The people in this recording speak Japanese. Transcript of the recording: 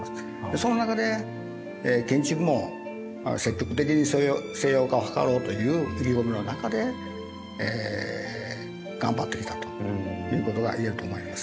その中で建築も積極的に西洋化を図ろうという意気込みの中で頑張ってきたということがいえると思います。